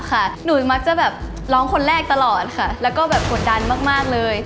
ก็แบบร้องคนแรกตลอดค่ะแล้วก็แบบกดดันมากมากเลย